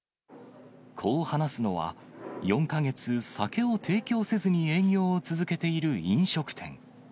こう話すのは、４か月、酒を提供せずに営業を続けている飲食店。